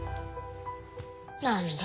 何だ